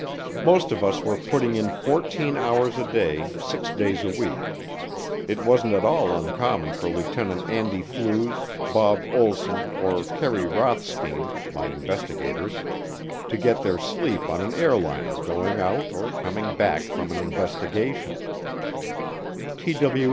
Most of us were putting in fourteen hours a day, six days a week. It wasn't at all uncommon for Lieutenant Andy Flues, Bob Olsson, or Kerry Rothstien, my investigators, to get their sleep on an airliner going out or coming back from an investigation.